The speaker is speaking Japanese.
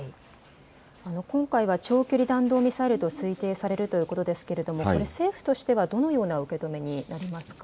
今回は長距離弾道ミサイルと推定されるということですけれども政府としてはどのような受け止めになりますか。